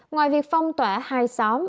ngoài việc phong tỏa hai xóm